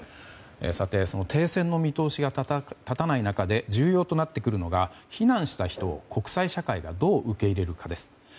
さて、停戦の見通しが立たない中で重要となってくるのが避難した人を国際社会がどう受け入れるかです。